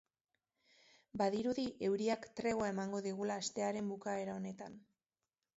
Badirudi euriak tregoa emango digula astearen bukaera honetan.